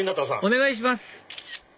お願いします